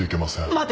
待て！